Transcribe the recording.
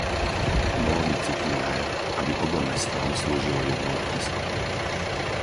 Bolo by citlivé, aby obom mestám slúžilo jedno letisko.